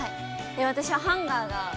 ◆私はハンガーが。